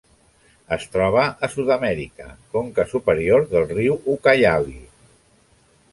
Es troba a Sud-amèrica: conca superior del riu Ucayali.